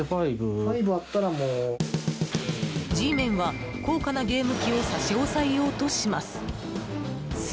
Ｇメンは、高価なゲーム機を差し押さえようとします。